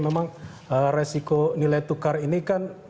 memang resiko nilai tukar ini kan